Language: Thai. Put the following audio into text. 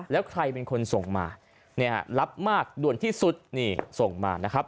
แล้วใครเป็นคนส่งมาเนี่ยรับมากด่วนที่สุดนี่ส่งมานะครับ